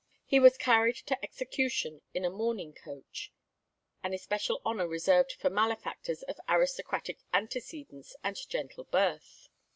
He was carried to execution in a mourning coach," an especial honour reserved for malefactors of aristocratic antecedents and gentle birth.